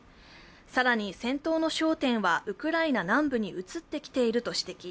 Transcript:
更に、戦闘の焦点はウクライナ南部に移ってきていると指摘。